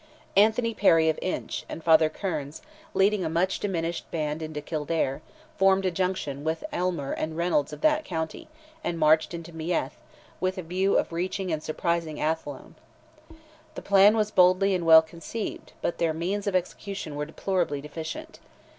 Anthony Perry of Inch, and Father Kearns, leading a much diminished band into Kildare, formed a junction with Aylmer and Reynolds of that county, and marched into Meath, with a view of reaching and surprising Athlone. The plan was boldly and well conceived, but their means of execution were deplorably deficient.